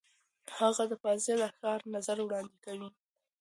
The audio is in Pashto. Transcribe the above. هغه د فاضله ښار نظر وړاندې کوي.